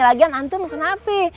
lagian antum kenapa